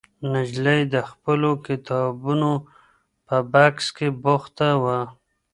نجلۍ د خپلو کتابونو په بکس بوخته وه.